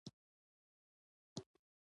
ملک صاحب داسې دی: خپله ومني، د بل نه مني.